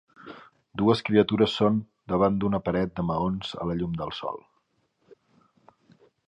Dues criatures són davant d'una paret de maons a la llum del sol.